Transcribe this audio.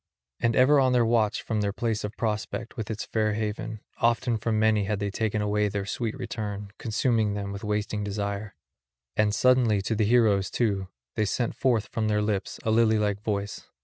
And ever on the watch from their place of prospect with its fair haven, often from many had they taken away their sweet return, consuming them with wasting desire; and suddenly to the heroes, too, they sent forth from their lips a lily like voice.